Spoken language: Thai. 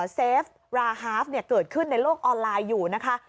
เฟฟราฮาฟเกิดขึ้นในโลกออนไลน์อยู่นะคะ